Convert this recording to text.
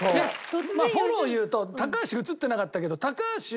まあフォローを言うと高橋映ってなかったけど高橋も。